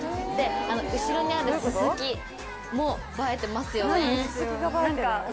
後ろにあるススキも映えてますよね。